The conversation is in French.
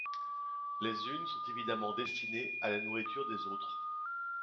Les unes sont évidemment destinées à la nourriture des autres.